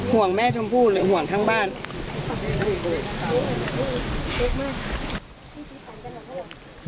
ห่วงแม่ชมพูหรือห่วงทั้งบ้าน